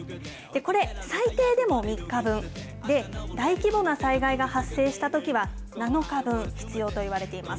これ、最低でも３日分、大規模な災害が発生したときは、７日分必要といわれています。